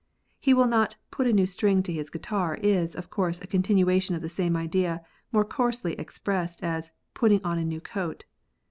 He will not put a nevj string to his guitar is, of course, a continuation of the same idea, more coarsely expressed as putting on a new coat.